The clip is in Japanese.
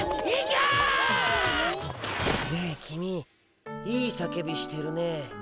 ねえキミいいさけびしてるね。